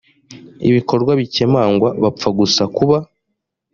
ibikorwa bikemangwa bapfa gusa kuba